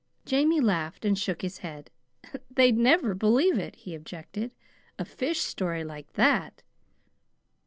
Jamie laughed and shook his head. "They'd never believe it," he objected; " a fish story like that!"